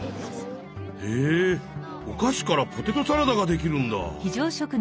へえおかしからポテトサラダができるんだ！